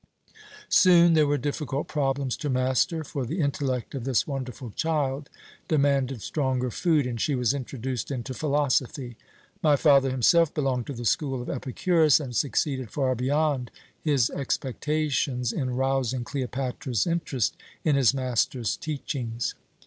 "Soon there were difficult problems to master, for the intellect of this wonderful child demanded stronger food, and she was introduced into philosophy. My father himself belonged to the school of Epicurus, and succeeded far beyond his expectations in rousing Cleopatra's interest in his master's teachings.